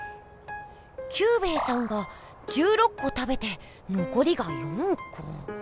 キュウベイさんが１６こ食べてのこりが４こ。